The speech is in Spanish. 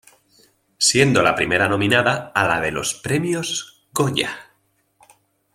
Siendo la primera nominada a la de los Premios Goya.